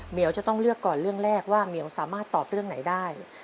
เหี่ยวจะต้องเลือกก่อนเรื่องแรกว่าเหมียวสามารถตอบเรื่องไหนได้